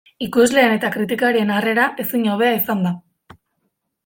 Ikusleen eta kritikarien harrera ezin hobea izan da.